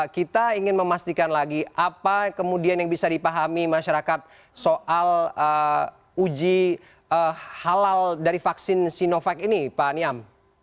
kita ingin memastikan lagi apa kemudian yang bisa dipahami masyarakat soal uji halal dari vaksin sinovac ini pak niam